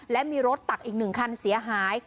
และมีรถตักอีก๑คันเสียหาย